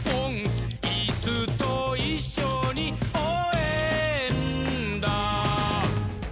「イスといっしょにおうえんだ！」